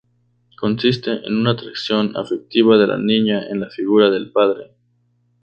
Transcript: Consiste en una atracción afectiva de la niña en la figura del padre.